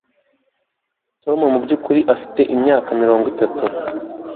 Tom mubyukuri afite imyaka mirongo itatu